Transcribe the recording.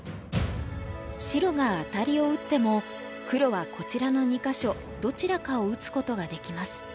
白がアタリを打っても黒はこちらの２か所どちらかを打つことができます。